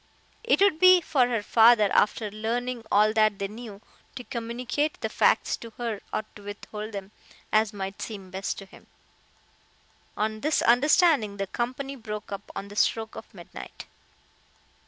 It would be for her father, after learning all that they knew, to communicate the facts to her or to withhold them, as might seem best to him. On this understanding the company broke up on the stroke of midnight.